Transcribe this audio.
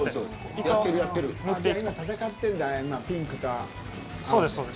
戦ってるんだ、今ピンクと。